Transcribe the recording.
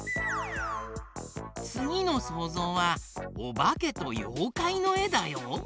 つぎのそうぞうは「おばけとようかい」のえだよ。